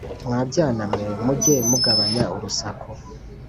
Mwa byana mwe mujye mugabanya urusaku